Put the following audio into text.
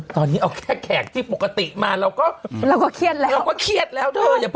ตอนนี้เอาแค่แขกที่ปกติมาเราก็เราก็เครียดแล้วเราก็เครียดแล้วเธอ